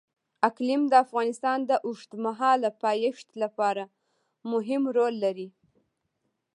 اقلیم د افغانستان د اوږدمهاله پایښت لپاره مهم رول لري.